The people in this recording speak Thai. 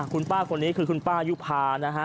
คุณป้าคนนี้คือคุณป้ายุภานะฮะ